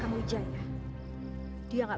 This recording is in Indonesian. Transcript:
kakang mencintai dia kakang